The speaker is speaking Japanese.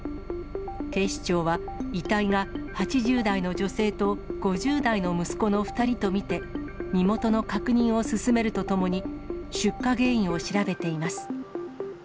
警視庁は、遺体が８０代の女性と５０代の息子の２人と見て、身元の確認を進めるとともに、出火原因を調べています。